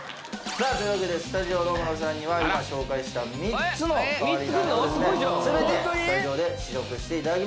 というわけでスタジオのムロさんには今紹介した３つの変わり種を全てスタジオで試食していただきます。